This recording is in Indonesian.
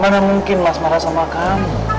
mana mungkin mas marah sama kami